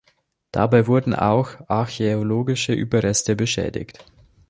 Dabei wurden auch archäologische Überreste beschädigt.